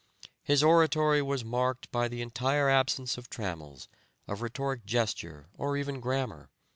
His oratory was marked by the entire absence of trammels, of rhetoric gesture or even grammar.